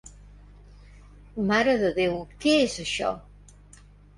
Mare de Déu, què és això?